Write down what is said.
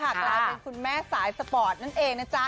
กลายเป็นคุณแม่สายสปอร์ตนั่นเองนะจ๊ะ